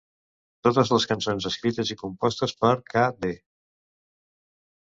Totes les cançons escrites i compostes per k.d.